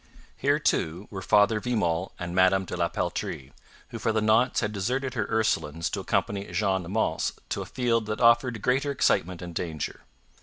Here, too, were Father Vimont and Madame de la Peltrie, who for the nonce had deserted her Ursulines to accompany Jeanne Mance to a field that offered greater excitement and danger.